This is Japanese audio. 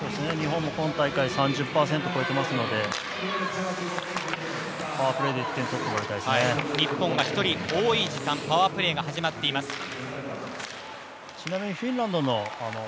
日本も今大会３０％を超えていますので日本が１人多い時間パワープレーが始まっています。